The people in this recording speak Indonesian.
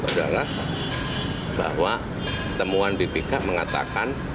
adalah bahwa temuan bpk mengatakan